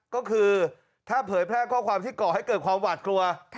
ก็คือถ้าเผยแพร่ข้อความที่ก่อให้เกิดความหวาดกลัว